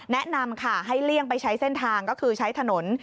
แนะนำค่ะให้เลี่ยงไปใช้เส้นทางก็คือใช้ถนน